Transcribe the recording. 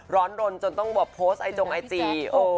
ร้อนรนจนต้องแบบโพสต์ไอจงไอจี